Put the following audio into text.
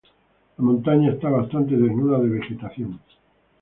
La montaña está bastante desnuda de vegetación.